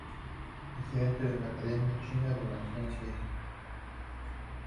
Presidente de la Academia China de las Ciencias.